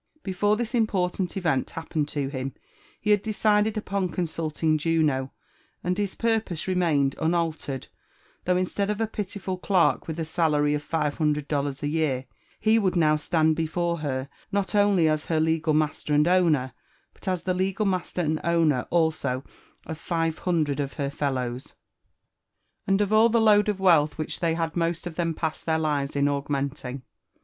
Before this important event happened to him' he had decided upon consulting Juno, and his purpose remained una] •*• Lira AND ADVBNTUfUSS Of towd, Iboogb, instead of a pitifal elerk with aialavr <* tlve hm&T%i dollars a year, he would now stand befote her /not only at her kgal master and owner, but as the legal master and owner also of five kMdrrd of her fellows, and of all the load of wealth which Ibey had most of them passed their lives in augmenting.